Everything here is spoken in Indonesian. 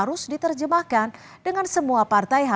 perusahaan yang penting untuk pemerintahan